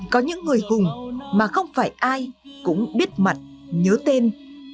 có những người hùng mà không phải ai cũng biết mặt nhớ tên